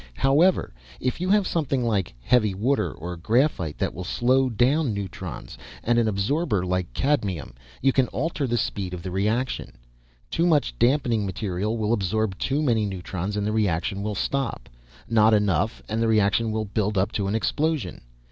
"However, if you have something like heavy water or graphite that will slow down neutrons and an absorber like cadmium, you can alter the speed of the reaction. Too much damping material will absorb too many neutrons and the reaction will stop. Not enough and the reaction will build up to an explosion.